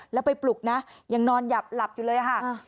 แล้วไปปลุกนะยังนอนหยับหลับอยู่เลยค่ะ